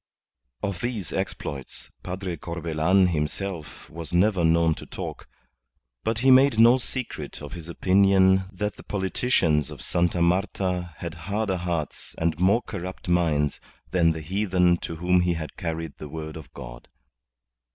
Of these exploits Padre Corbelan himself was never known to talk. But he made no secret of his opinion that the politicians of Sta. Marta had harder hearts and more corrupt minds than the heathen to whom he had carried the word of God.